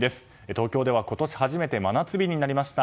東京では、今年初めて真夏日になりました。